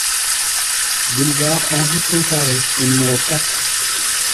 Boulevard Henri Poincaré au numéro quatre